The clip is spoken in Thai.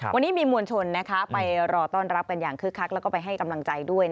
วันนี้มีมวลชนไปรอต้อนรับกันอย่างคึกคักแล้วก็ไปให้กำลังใจด้วย